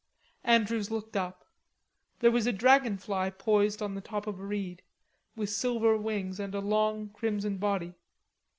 Andrews looked up. There was a dragon fly poised on the top of a reed, with silver wings and a long crimson body.